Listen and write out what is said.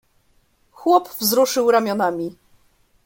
"Chłop wzruszył ramionami."